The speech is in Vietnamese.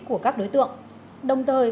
của các đối tượng đồng thời